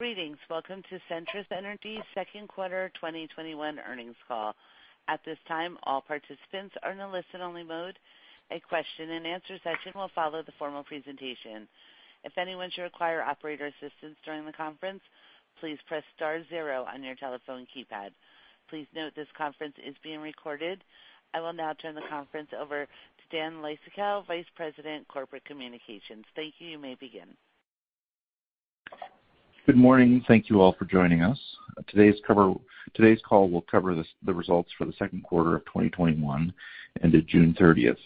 Greetings. Welcome to Centrus Energy second quarter 2021 earnings call. At this time, all participants are in a listen-only mode. A question and answer session will follow the formal presentation. If anyone should require operator assistance during the conference, please press star zero on your telephone keypad. Please note this conference is being recorded. I will now turn the conference over to Dan Leistikow, Vice President, Corporate Communications. Thank you. You may begin. Good morning. Thank you all for joining us. Today's call will cover the results for the second quarter of 2021 ended June 30th.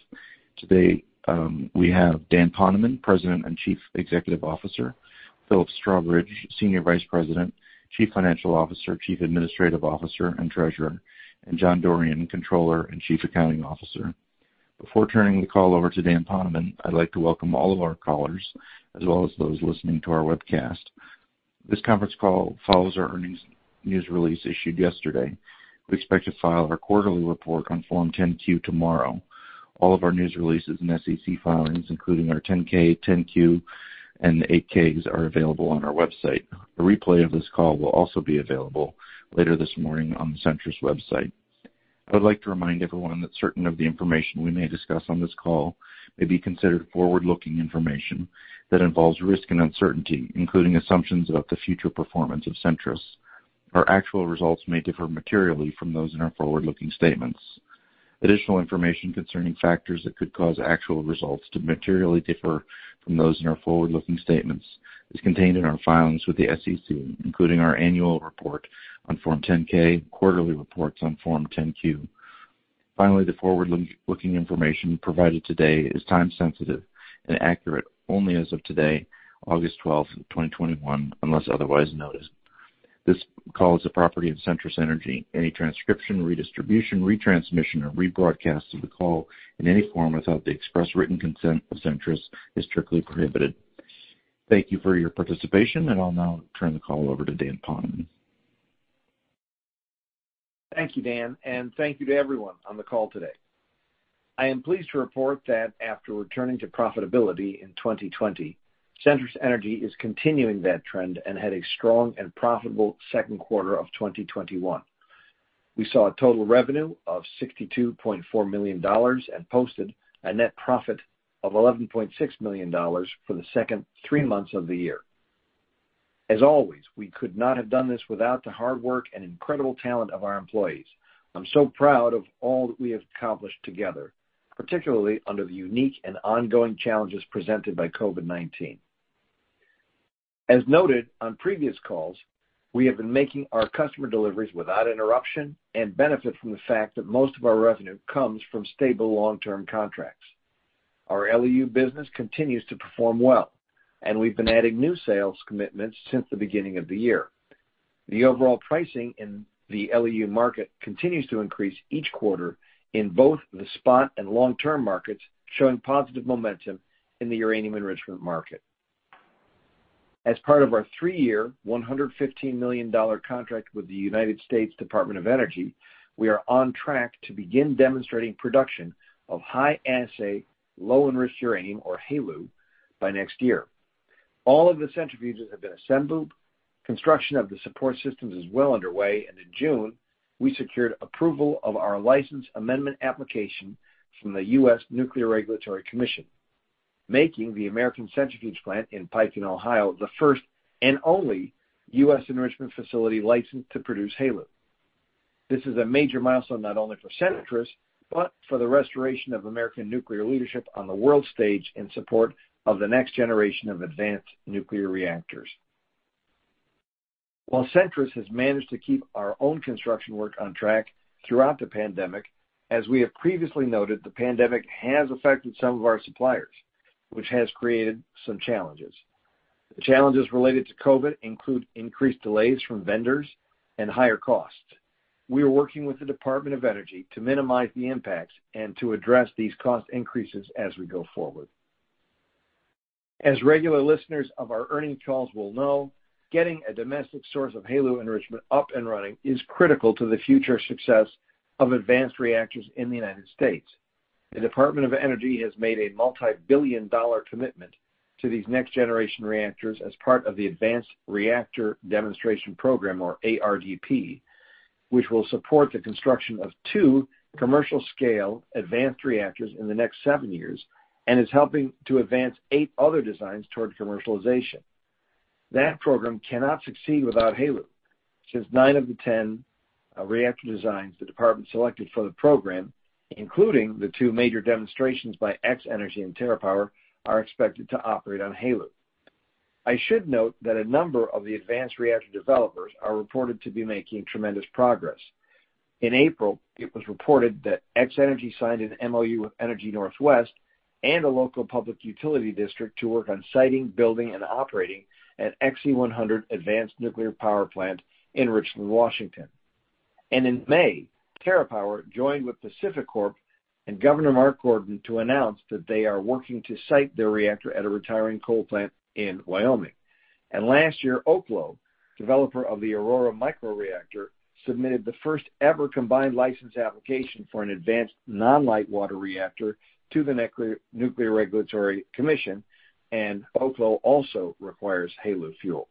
Today, we have Dan Poneman, President and Chief Executive Officer, Philip Strawbridge, Senior Vice President, Chief Financial Officer, Chief Administrative Officer, and Treasurer, and John Dorrian, Controller and Chief Accounting Officer. Before turning the call over to Dan Poneman, I'd like to welcome all of our callers, as well as those listening to our webcast. This conference call follows our earnings news release issued yesterday. We expect to file our quarterly report on Form 10-Q tomorrow. All of our news releases and SEC filings, including our 10-K, 10-Q, and the 8-Ks, are available on our website. A replay of this call will also be available later this morning on the Centrus website. I would like to remind everyone that certain of the information we may discuss on this call may be considered forward-looking information that involves risk and uncertainty, including assumptions about the future performance of Centrus. Our actual results may differ materially from those in our forward-looking statements. Additional information concerning factors that could cause actual results to materially differ from those in our forward-looking statements is contained in our filings with the SEC, including our annual report on Form 10-K, quarterly reports on Form 10-Q. Finally, the forward-looking information provided today is time sensitive and accurate only as of today, August 12th, 2021, unless otherwise noted. This call is the property of Centrus Energy. Any transcription, redistribution, retransmission, or rebroadcast of the call in any form without the express written consent of Centrus is strictly prohibited. Thank you for your participation, and I'll now turn the call over to Dan Poneman. Thank you, Dan, and thank you to everyone on the call today. I am pleased to report that after returning to profitability in 2020, Centrus Energy is continuing that trend and had a strong and profitable second quarter of 2021. We saw a total revenue of $62.4 million and posted a net profit of $11.6 million for the 2nd 3 months of the year. As always, we could not have done this without the hard work and incredible talent of our employees. I'm so proud of all that we have accomplished together, particularly under the unique and ongoing challenges presented by COVID-19. As noted on previous calls, we have been making our customer deliveries without interruption and benefit from the fact that most of our revenue comes from stable long-term contracts. Our LEU business continues to perform well, and we've been adding new sales commitments since the beginning of the year. The overall pricing in the LEU market continues to increase each quarter in both the spot and long-term markets, showing positive momentum in the uranium enrichment market. As part of our three-year, $115 million contract with the United States Department of Energy, we are on track to begin demonstrating production of high-assay, low-enriched uranium, or HALEU, by next year. All of the centrifuges have been assembled, construction of the support systems is well underway, and in June, we secured approval of our license amendment application from the U.S. Nuclear Regulatory Commission, making the American Centrifuge Plant in Piketon, Ohio, the first and only U.S. enrichment facility licensed to produce HALEU. This is a major milestone not only for Centrus, but for the restoration of American nuclear leadership on the world stage in support of the next generation of advanced nuclear reactors. While Centrus has managed to keep our own construction work on track throughout the pandemic, as we have previously noted, the pandemic has affected some of our suppliers, which has created some challenges. The challenges related to COVID include increased delays from vendors and higher costs. We are working with the Department of Energy to minimize the impacts and to address these cost increases as we go forward. As regular listeners of our earnings calls will know, getting a domestic source of HALEU enrichment up and running is critical to the future success of advanced reactors in the United States. The Department of Energy has made a multi-billion dollar commitment to these next generation reactors as part of the Advanced Reactor Demonstration Program, or ARDP, which will support the construction of two commercial scale advanced reactors in the next seven years and is helping to advance eight other designs toward commercialization. That program cannot succeed without HALEU, since nine of the 10 reactor designs the department selected for the program, including the two major demonstrations by X-energy and TerraPower, are expected to operate on HALEU. I should note that a number of the advanced reactor developers are reported to be making tremendous progress. In April, it was reported that X-energy signed an MOU with Energy Northwest and a local public utility district to work on siting, building and operating an Xe-100 advanced nuclear power plant in Richland, Washington. In May, TerraPower joined with PacifiCorp and Governor Mark Gordon to announce that they are working to site their reactor at a retiring coal plant in Wyoming. Last year, Oklo developer of the Aurora micro reactor, submitted the first ever combined license application for an advanced non-light water reactor to the Nuclear Regulatory Commission. Oklo also requires HALEU fuel.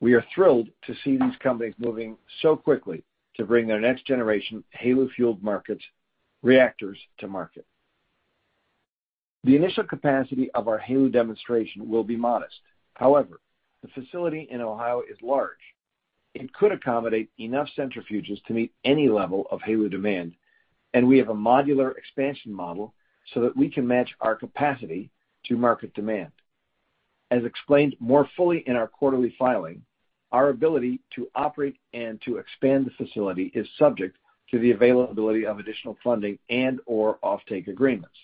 We are thrilled to see these companies moving so quickly to bring their next generation HALEU fueled reactors to market. The initial capacity of our HALEU demonstration will be modest. The facility in Ohio is large. It could accommodate enough centrifuges to meet any level of HALEU demand. We have a modular expansion model so that we can match our capacity to market demand. As explained more fully in our quarterly filing, our ability to operate and to expand the facility is subject to the availability of additional funding and/or offtake agreements.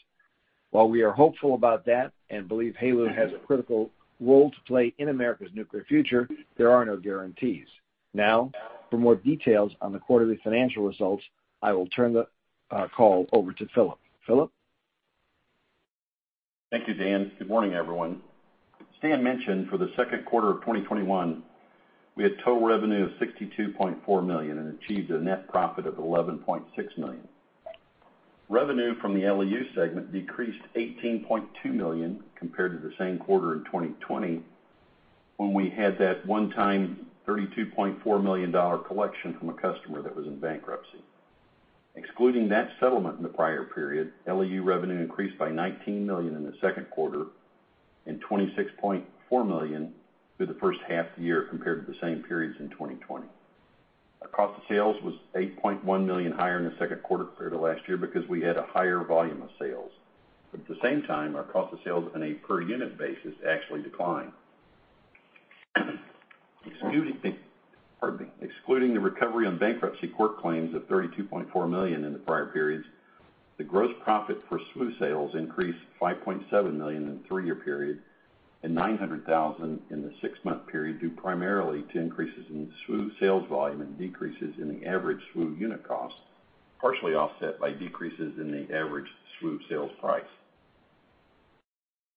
While we are hopeful about that and believe HALEU has a critical role to play in America's nuclear future, there are no guarantees. Now, for more details on the quarterly financial results, I will turn the call over to Philip. Philip? Thank you, Dan. Good morning, everyone. Dan mentioned for the second quarter of 2021, we had total revenue of $62.4 million and achieved a net profit of $11.6 million. Revenue from the LEU segment decreased to $18.2 million compared to the same quarter in 2020 when we had that one-time $32.4 million collection from a customer that was in bankruptcy. Excluding that settlement in the prior period, LEU revenue increased by $19 million in the second quarter and $26.4 million through the first half of the year compared to the same periods in 2020. Our cost of sales was $8.1 million higher in the second quarter compared to last year because we had a higher volume of sales. At the same time, our cost of sales on a per unit basis actually declined. Excuse me. Pardon me. Excluding the recovery on bankruptcy court claims of $32.4 million in the prior periods, the gross profit for SWU sales increased $5.7 million in the three-year period and $900,000 in the six-month period, due primarily to increases in SWU sales volume and decreases in the average SWU unit cost, partially offset by decreases in the average SWU sales price.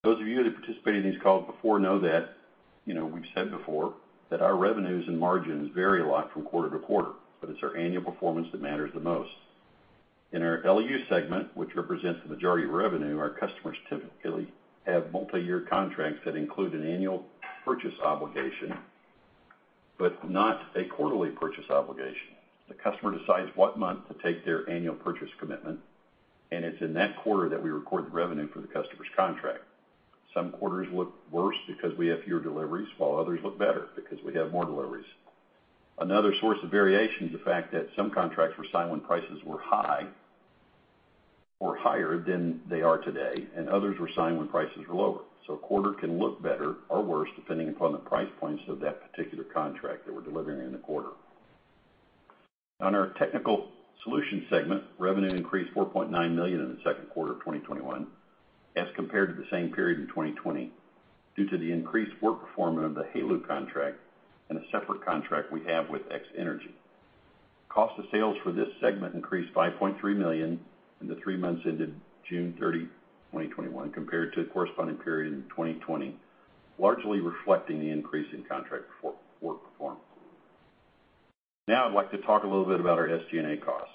Those of you that participated in these calls before know that we've said before that our revenues and margins vary a lot from quarter to quarter, but it's our annual performance that matters the most. In our LEU segment, which represents the majority of revenue, our customers typically have multi-year contracts that include an annual purchase obligation, but not a quarterly purchase obligation. The customer decides what month to take their annual purchase commitment, and it's in that quarter that we record the revenue for the customer's contract. Some quarters look worse because we have fewer deliveries, while others look better because we have more deliveries. Another source of variation is the fact that some contracts were signed when prices were high or higher than they are today, and others were signed when prices were lower. A quarter can look better or worse depending upon the price points of that particular contract that we're delivering in the quarter. On our technical solutions segment, revenue increased to $4.9 million in the second quarter of 2021 as compared to the same period in 2020 due to the increased work performance of the HALEU contract and a separate contract we have with X-energy. Cost of sales for this segment increased $5.3 million in the three months ended June 30, 2021 compared to the corresponding period in 2020, largely reflecting the increase in contract work performance. I'd like to talk a little bit about our SG&A costs.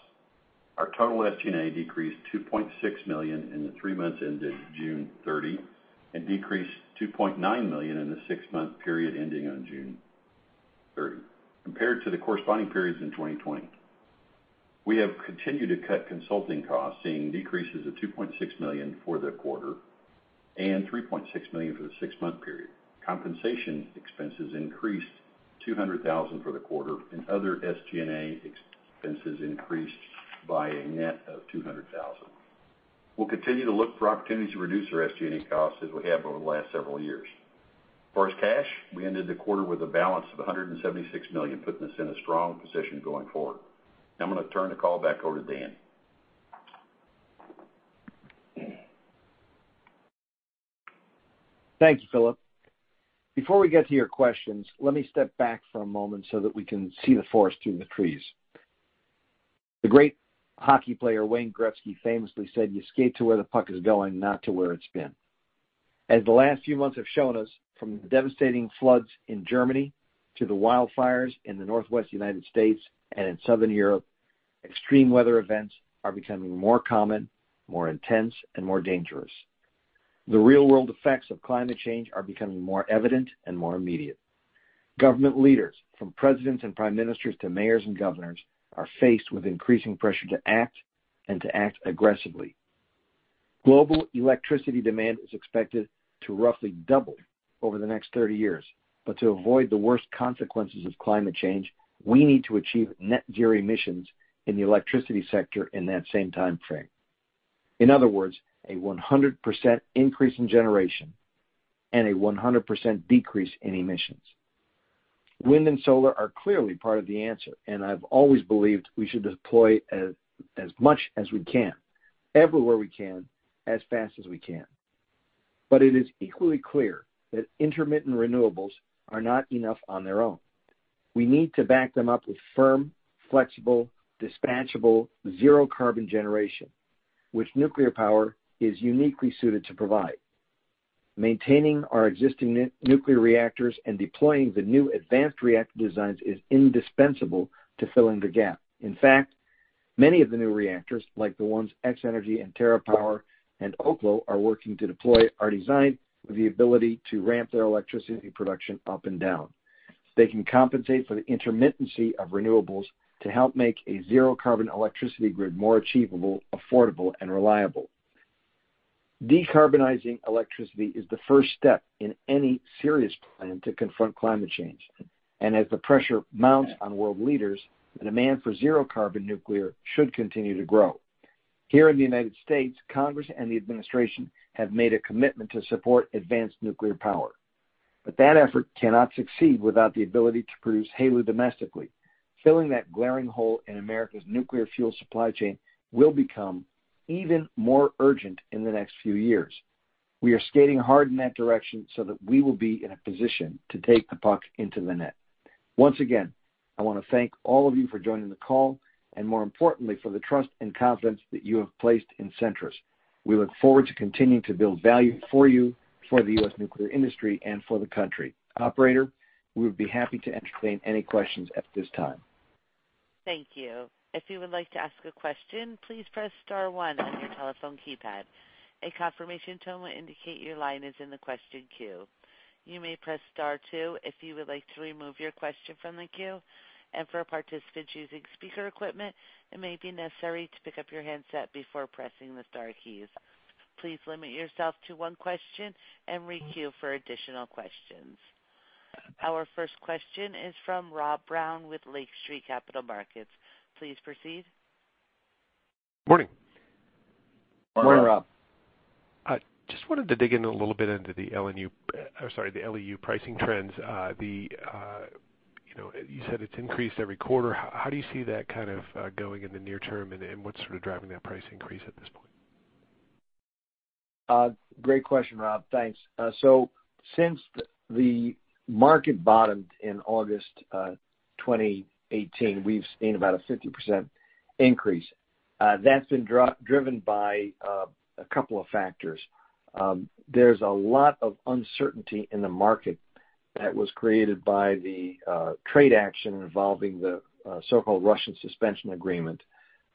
Our total SG&A decreased to $2.6 million in the three months ended June 30 and decreased to $2.9 million in the six-month period ending on June 30 compared to the corresponding periods in 2020. We have continued to cut consulting costs, seeing decreases of $2.6 million for the quarter and $3.6 million for the six-month period. Compensation expenses increased $200,000 for the quarter, and other SG&A expenses increased by a net of $200,000. We'll continue to look for opportunities to reduce our SG&A costs as we have over the last several years. As far as cash, we ended the quarter with a balance of $176 million, putting us in a strong position going forward. I'm going to turn the call back over to Dan. Thank you, Philip. Before we get to your questions, let me step back for a moment so that we can see the forest through the trees. The great hockey player, Wayne Gretzky, famously said, "You skate to where the puck is going, not to where it's been." As the last few months have shown us, from the devastating floods in Germany to the wildfires in the Northwest U.S. and in Southern Europe, extreme weather events are becoming more common, more intense, and more dangerous. The real-world effects of climate change are becoming more evident and more immediate. Government leaders, from presidents and prime ministers to mayors and governors, are faced with increasing pressure to act and to act aggressively. Global electricity demand is expected to roughly double over the next 30 years, but to avoid the worst consequences of climate change, we need to achieve net zero emissions in the electricity sector in that same timeframe. In other words, a 100% increase in generation and a 100% decrease in emissions. Wind and solar are clearly part of the answer, and I've always believed we should deploy as much as we can, everywhere we can, as fast as we can. It is equally clear that intermittent renewables are not enough on their own. We need to back them up with firm, flexible, dispatchable, zero-carbon generation, which nuclear power is uniquely suited to provide. Maintaining our existing nuclear reactors and deploying the new advanced reactor designs is indispensable to filling the gap. In fact, many of the new reactors, like the ones X-energy and TerraPower and Oklo are working to deploy, are designed with the ability to ramp their electricity production up and down. They can compensate for the intermittency of renewables to help make a zero-carbon electricity grid more achievable, affordable, and reliable. Decarbonizing electricity is the first step in any serious plan to confront climate change. As the pressure mounts on world leaders, the demand for zero-carbon nuclear should continue to grow. Here in the United States, Congress and the administration have made a commitment to support advanced nuclear power. That effort cannot succeed without the ability to produce HALEU domestically. Filling that glaring hole in America's nuclear fuel supply chain will become even more urgent in the next few years. We are skating hard in that direction so that we will be in a position to take the puck into the net. Once again, I want to thank all of you for joining the call, and more importantly, for the trust and confidence that you have placed in Centrus. We look forward to continuing to build value for you, for the U.S. nuclear industry, and for the country. Operator, we would be happy to entertain any questions at this time. Thank you. If you would like to ask a question, please press star one on your telephone keypad. A confirmation tone will indicate your line is in the question queue. You may press star two if you would like to remove your question from the queue, and for participants using speaker equipment, it may be necessary to pick up your handset before pressing the star keys. Please limit yourself to one question and re-queue for additional questions. Our first question is from Rob Brown with Lake Street Capital Markets. Please proceed. Morning. Morning, Rob. I just wanted to dig in a little bit into the LEU pricing trends. You said it's increased every quarter. How do you see that kind of going in the near term, and what's sort of driving that price increase at this point? Great question, Rob. Thanks. Since the market bottomed in August 2018, we've seen about a 50% increase. That's been driven by a couple of factors. There's a lot of uncertainty in the market that was created by the trade action involving the so-called Russian Suspension Agreement.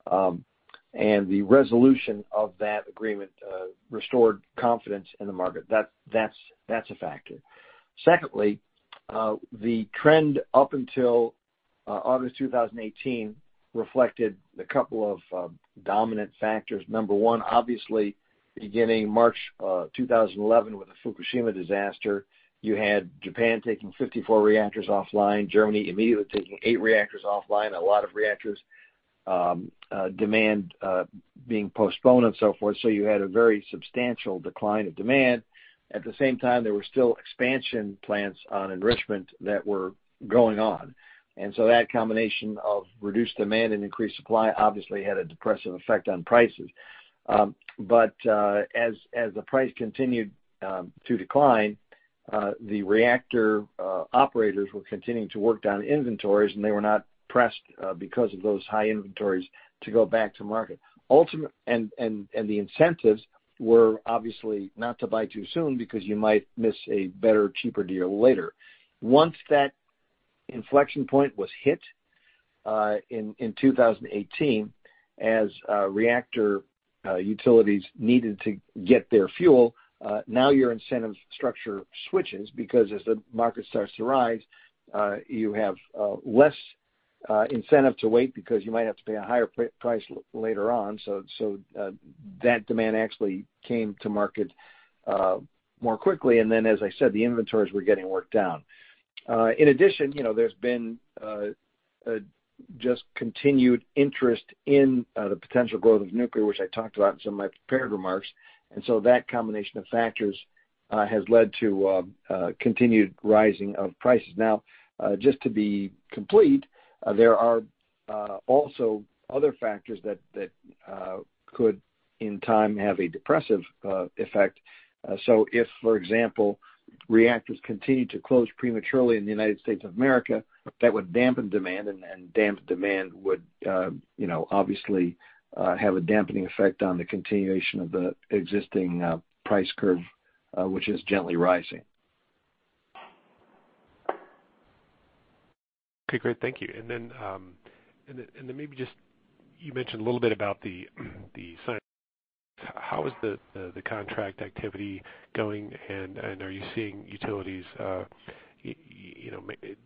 The resolution of that agreement restored confidence in the market. That's a factor. Secondly, the trend up until August 2018 reflected a couple of dominant factors. Number one, obviously, beginning March 2011 with the Fukushima disaster, you had Japan taking 54 reactors offline, Germany immediately taking eight reactors offline, a lot of reactors' demand being postponed and so forth. You had a very substantial decline of demand. At the same time, there were still expansion plans on enrichment that were going on. That combination of reduced demand and increased supply obviously had a depressive effect on prices. As the price continued to decline, the reactor operators were continuing to work down inventories, and they were not pressed, because of those high inventories, to go back to market. The incentives were obviously not to buy too soon, because you might miss a better, cheaper deal later. Once that inflection point was hit, in 2018, as reactor utilities needed to get their fuel, now your incentive structure switches, because as the market starts to rise, you have less incentive to wait because you might have to pay a higher price later on. That demand actually came to market more quickly. As I said, the inventories were getting worked down. In addition, there's been just continued interest in the potential growth of nuclear, which I talked about in some of my prepared remarks. That combination of factors has led to continued rising of prices. Now, just to be complete, there are also other factors that could, in time, have a depressive effect. If, for example, reactors continue to close prematurely in the United States of America, that would dampen demand. Damped demand would obviously have a dampening effect on the continuation of the existing price curve, which is gently rising. Okay, great. Thank you. You mentioned a little bit about. How is the contract activity going, and are you seeing utilities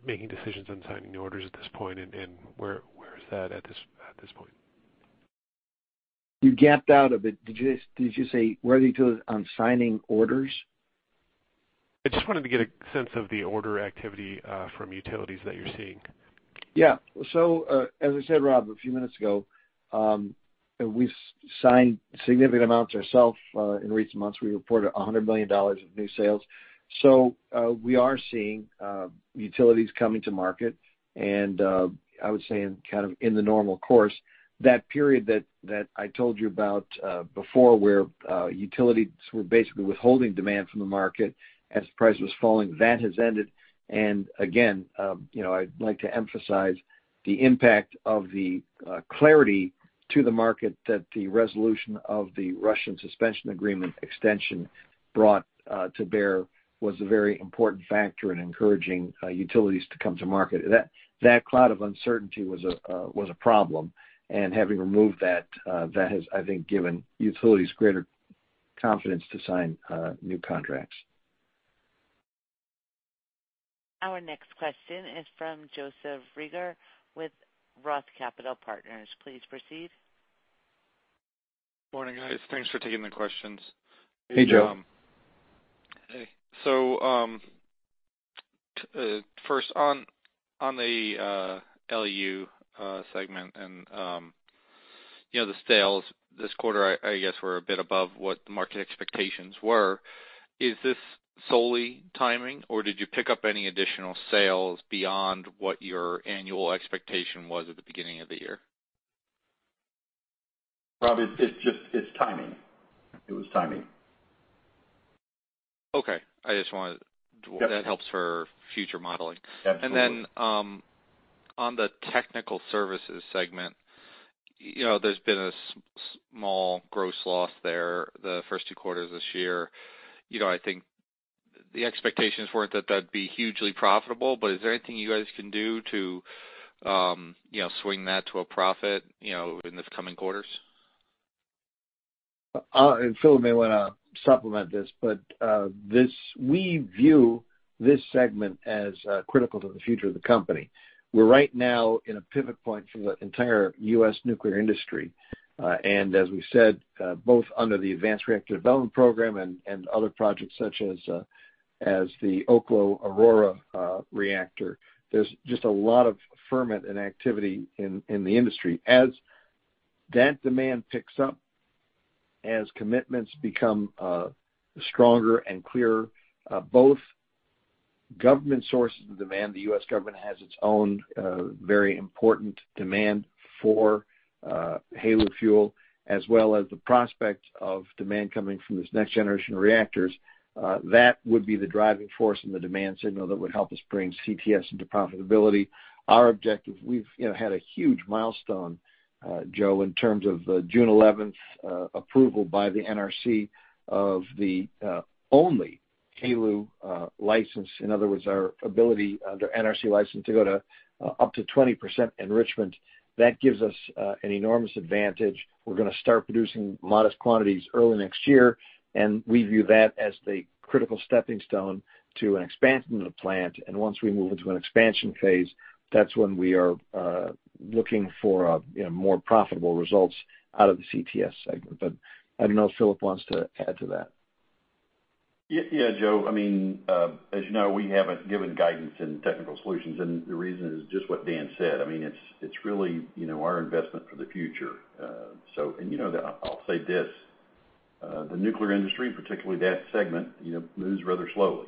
making decisions on signing new orders at this point? Where is that at this point? You gapped out a bit. Did you say where are the utilities on signing orders? I just wanted to get a sense of the order activity from utilities that you are seeing. Yeah. As I said, Rob, a few minutes ago, we've signed significant amounts ourself in recent months. We reported $100 million of new sales. We are seeing utilities coming to market and I would say in kind of in the normal course. That period that I told you about before where utilities were basically withholding demand from the market as price was falling, that has ended, and again, I'd like to emphasize the impact of the clarity to the market that the resolution of the Russian Suspension Agreement extension brought to bear was a very important factor in encouraging utilities to come to market. That cloud of uncertainty was a problem, and having removed that has, I think, given utilities greater confidence to sign new contracts. Our next question is from Joseph Reagor with ROTH Capital Partners. Please proceed. Morning, guys. Thanks for taking the questions. Hey, Joe. Hey. First on the LEU segment and the sales this quarter, I guess were a bit above what the market expectations were. Is this solely timing, or did you pick up any additional sales beyond what your annual expectation was at the beginning of the year? Rob, it's timing. It was timing. Okay. That helps for future modeling. Absolutely. On the technical services segment, there's been a small gross loss there the first two quarters of this year. I think the expectations weren't that that'd be hugely profitable, but is there anything you guys can do to swing that to a profit in the coming quarters? Philip may want to supplement this, but we view this segment as critical to the future of the company. We're right now in a pivot point for the entire U.S. nuclear industry. As we said, both under the Advanced Reactor Demonstration Program and other projects such as the Oklo Aurora reactor, there's just a lot of ferment and activity in the industry. As that demand picks up, as commitments become stronger and clearer, both government sources of demand, the U.S. government has its own very important demand for HALEU fuel, as well as the prospect of demand coming from these next generation reactors. That would be the driving force and the demand signal that would help us bring CTS into profitability. Our objective, we've had a huge milestone, Joe, in terms of the June 11th approval by the NRC of the only HALEU license. In other words, our ability under NRC license to go to up to 20% enrichment. That gives us an enormous advantage. We're going to start producing modest quantities early next year, and we view that as the critical stepping stone to an expansion of the plant. Once we move into an expansion phase, that's when we are looking for more profitable results out of the CTS segment. I don't know if Philip wants to add to that. Yeah, Joe. As you know, we haven't given guidance in technical solutions, the reason is just what Dan said. It's really our investment for the future. You know that, I'll say this, the nuclear industry, particularly that segment, moves rather slowly.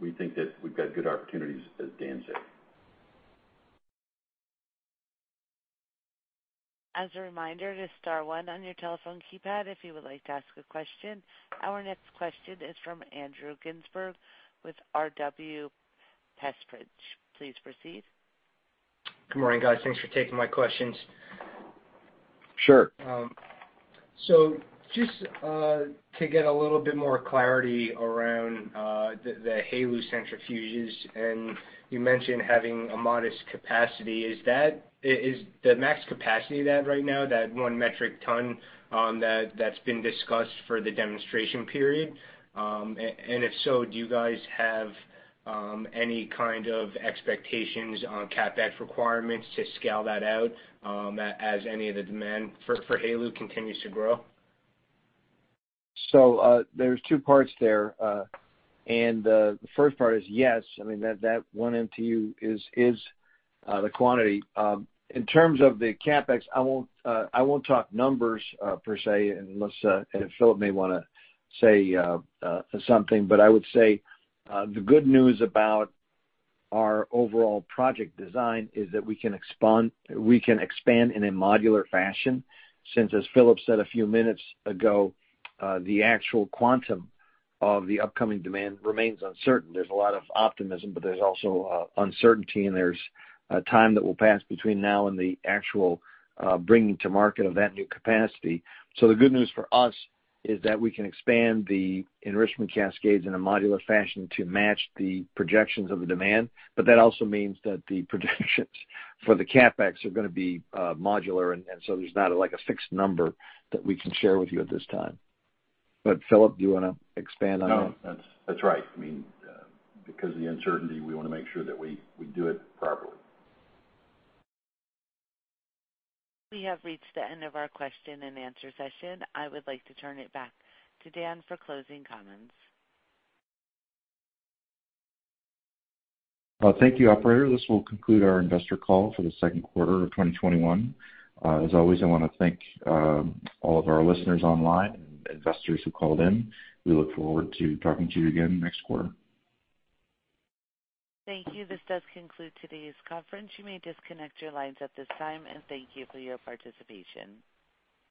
We think that we've got good opportunities, as Dan said. As a reminder, it is star one on your telephone keypad, if you would like to ask a question. Our next question is from Andrew Ginsburg with R.W. Pressprich. Please proceed. Good morning, guys. Thanks for taking my questions. Sure. Just to get a little bit more clarity around the HALEU centrifuges, and you mentioned having a modest capacity. Is the max capacity of that right now, that one metric ton that's been discussed for the demonstration period? If so, do you guys have any kind of expectations on CapEx requirements to scale that out as any of the demand for HALEU continues to grow? There's 2 parts there. The first part is, yes, that 1 MTU is the quantity. In terms of the CapEx, I won't talk numbers per se, unless Philip may want to say something, but I would say the good news about our overall project design is that we can expand in a modular fashion since, as Philip said a few minutes ago, the actual quantum of the upcoming demand remains uncertain. There's a lot of optimism, but there's also uncertainty, and there's time that will pass between now and the actual bringing to market of that new capacity. The good news for us is that we can expand the enrichment cascades in a modular fashion to match the projections of the demand. That also means that the projections for the CapEx are going to be modular, there's not a fixed number that we can share with you at this time. Philip, do you want to expand on that? No, that's right. Because of the uncertainty, we want to make sure that we do it properly. We have reached the end of our question and answer session. I would like to turn it back to Dan for closing comments. Thank you, operator. This will conclude our investor call for the second quarter of 2021. As always, I want to thank all of our listeners online and investors who called in. We look forward to talking to you again next quarter. Thank you. This does conclude today's conference. You may disconnect your lines at this time. Thank you for your participation.